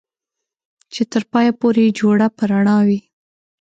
چې تر پايه پورې جوړه په رڼا وي